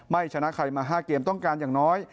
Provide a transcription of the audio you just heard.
ชนะใครมา๕เกมต้องการอย่างน้อย